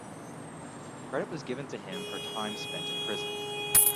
Credit was given to him for time spent in prison.